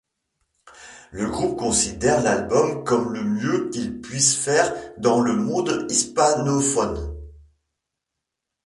Le groupe considère l'album comme le mieux qu'ils puissent faire dans le monde hispanophone.